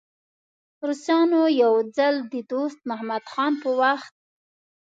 روسانو یو ځل د دوست محمد خان په وخت.